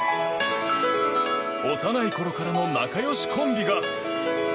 幼い頃からの仲よしコンビが。